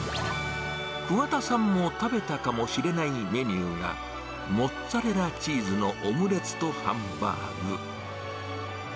桑田さんも食べたかもしれないメニューが、モッツァレラチーズのオムレツとハンバーグ。